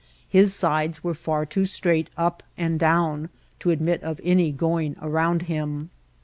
His sides were far too straight up and down to admit of any going around him.